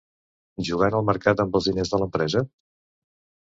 Jugant al mercat amb els diners de l'empresa?